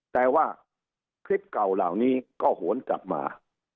แต่ว่าคลิปเก่าเหล่านี้ก็หวนกลับมา